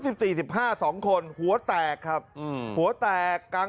นักเรียงมัธยมจะกลับบ้าน